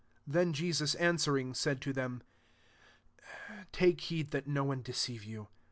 4 Then Jesus answering, said to them, "Take heed that no one deceive you.